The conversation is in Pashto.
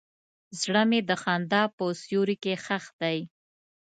زړه مې د خندا په سیوري کې ښخ دی.